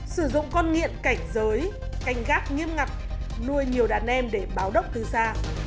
sử dụng con nghiện cảnh giới cảnh gác nghiêm ngặt nuôi nhiều đàn em để báo đốc từ xa